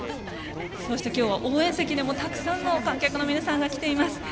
そして、今日応援席でもたくさんの観客の皆さんが来ています。